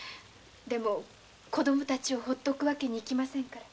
でも子供たちをほっておく訳にはいきませんから。